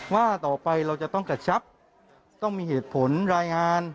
ว่าต่อไปเราจะต้องกระชับต้องมีเหตุผลรายงาน